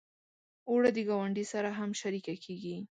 اوړه د ګاونډي سره هم شریکه کېږي